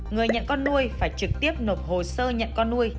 người nhận con nuôi phải trực tiếp nộp hồ sơ nhận con nuôi